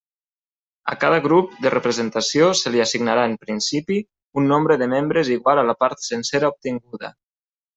A cada grup de representació se li assignarà, en principi, un nombre de membres igual a la part sencera obtinguda.